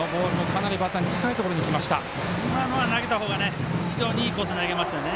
今のは投げたほうが非常にいいコースに投げましたね。